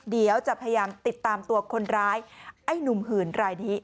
เดี๋ยวจะพยายามติดตามตัวคนร้ายไอ้หนุ่มหื่นรายนี้